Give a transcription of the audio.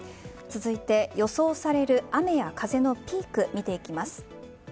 続いて予想される雨や風のピークを見ていきます。